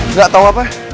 nggak tahu apa